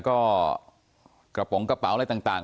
ก็กระโปรงกระเป๋าอะไรต่าง